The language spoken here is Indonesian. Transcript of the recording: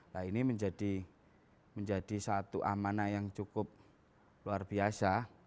nah ini menjadi satu amanah yang cukup luar biasa